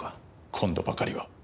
今度ばかりは。